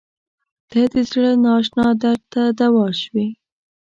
• ته د زړه نااشنا درد ته دوا شوې.